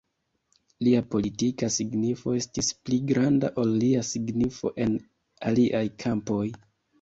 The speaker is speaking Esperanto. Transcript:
Lia politika signifo estis pli granda ol lia signifo en aliaj kampoj.